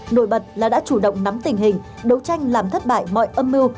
nổi bật là đã chủ động nắm tình hình đấu tranh làm thất bại mọi âm mưu